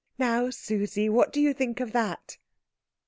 "Now, Susie, what do you think of that?"